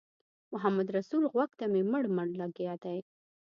محمدرسول غوږ ته مې مړ مړ لګیا دی.